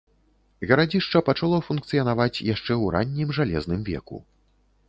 Гарадзішча пачало функцыянаваць яшчэ ў раннім жалезным веку.